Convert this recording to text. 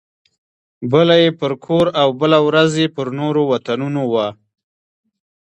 بله یې پر کور او بله ورځ یې پر نورو وطنونو وه.